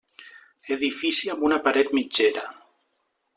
Edifici amb una paret mitgera.